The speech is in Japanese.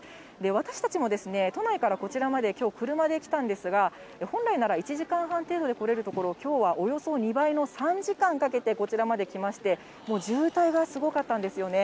私たちも都内からこちらまで、きょう車で来たんですが、本来なら１時間半程度で来れるところを、きょうはおよそ２倍の３時間かけて、こちらまで来まして、もう渋滞がすごかったんですよね。